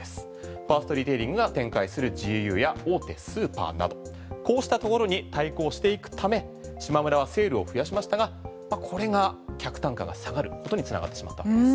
ファーストリテイリングが展開するＧＵや大手スーパーなどこうしたところに対抗していくためしまむらはセールを増やしましたが客単価が下がることに繋がってしまったと。